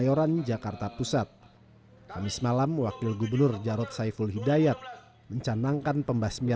populasi tikus di jakarta luar biasa tidak kendali